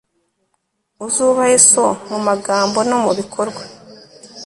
uzubahe so mu magambo no mu bikorwa